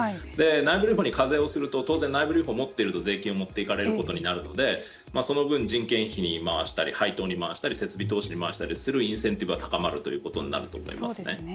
内部留保に課税をすると当然、内部留保を持っていると税金を持っていかれることになるのでその分、人件費に回したり配当に回したり設備投資に回したりするインセンティブが高まることになると思います。